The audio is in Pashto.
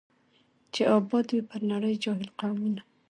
چي آباد وي پر نړۍ جاهل قومونه